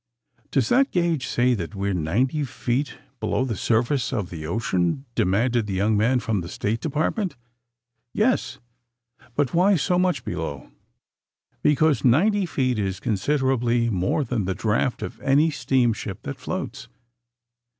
''Does that gauge say that" we are ninety feet below the surface of tha ocean ?'' demanded the young man from the State Department. "Yes." "But why so much below 1" "Because ninety feet is considerably more than the draft of any steamship that floats.